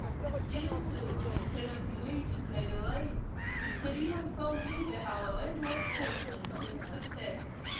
'DEAR SIR, 'In perambulating Ivy lane, Mr. Ryland found neither our landlord Horseman, nor his successor.